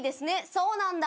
「そうなんだ」